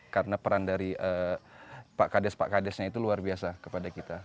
karena peran dari pak kades pak kadesnya itu luar biasa kepada kita